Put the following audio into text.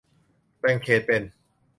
แบ่งเขตเป็น